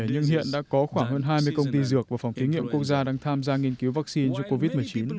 nhưng hiện đã có khoảng hơn hai mươi công ty dược của phòng thí nghiệm quốc gia đang tham gia nghiên cứu vaccine cho covid một mươi chín